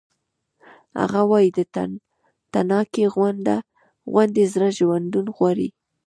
هغه وایی د تڼاکې غوندې زړه ژوندون غواړي